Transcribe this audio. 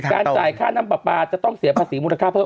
จ่ายค่าน้ำปลาปลาจะต้องเสียภาษีมูลค่าเพิ่ม